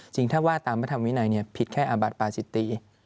จริงถ้าว่าตามพระธรรมวินัยผิดแค่อาบัติปาสิตี